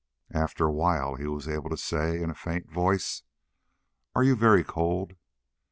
After a while he was able to say, in a faint voice: "Are you very cold?"